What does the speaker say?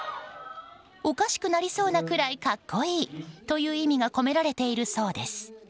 おかしくなりそうなぐらい格好いいという意味が込められているそうです。